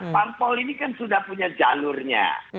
parpol ini kan sudah punya jalurnya